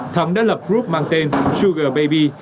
thắng đã lập group mang tên sugar baby